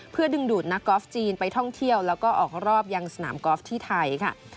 เพื่อดึงดูดนักกอล์ฟจีนไปท่องเที่ยวแล้วก็ออกรอบยังสนามกอล์ฟที่ไทยค่ะ